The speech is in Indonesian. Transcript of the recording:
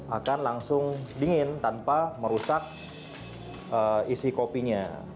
akan langsung dingin tanpa merusak isi kopinya